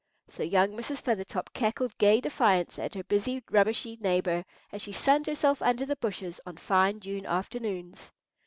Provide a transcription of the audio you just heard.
So young Mrs. Feathertop cackled gay defiance at her busy rubbishy neighbour, as she sunned herself under the bushes on fine June afternoons.